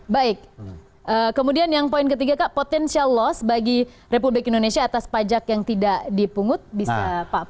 baik kemudian yang poin ketiga kak potensial loss bagi republik indonesia atas pajak yang tidak dipungut bisa pak